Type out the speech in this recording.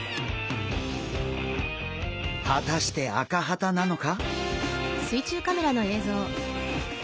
果たしてアカハタなのか？